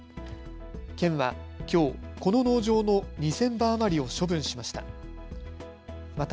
県はきょうこの農場の２０００羽余りを処分しました。